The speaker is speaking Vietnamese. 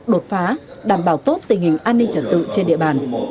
đột phá đảm bảo tốt tình hình an ninh trật tự trên địa bàn